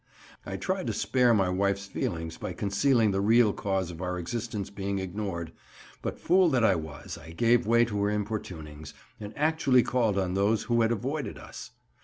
I tried to spare my wife's feelings by concealing the real cause of our existence being ignored; but, fool that I was, I gave way to her importunings, and actually called on those who had avoided us.